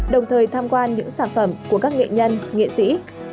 đồng thời tham quan những sản phẩm của các nghệ nhân nghệ sĩ